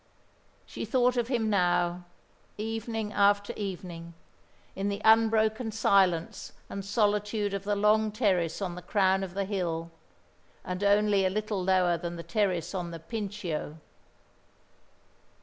She thought of him now, evening after evening, in the unbroken silence and solitude of the long terrace on the crown of the hill, and only a little lower than the terrace on the Pincio.